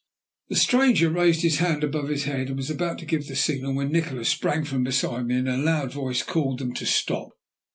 The stranger had raised his hand above his head, and was about to give the signal, when Nikola sprang from beside me, and in a loud voice called to them to "stop."